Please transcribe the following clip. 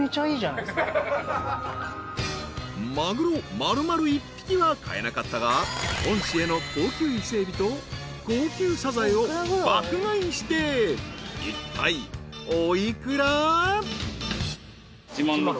［マグロ丸々一匹は買えなかったが恩師への高級伊勢エビと高級サザエを爆買いしていったいお幾ら？］